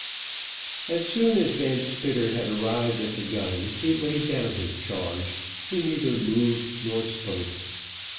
As soon as Van Spitter had arrived at the gun he laid down his charge, who neither moved nor spoke.